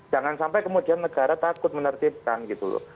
jangan sampai kemudian negara takut menertibkan gitu loh